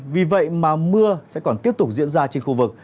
vì vậy mà mưa sẽ còn tiếp tục diễn ra trên khu vực